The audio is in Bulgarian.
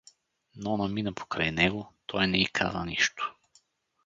Нона мина покрай него, той не й каза нищо.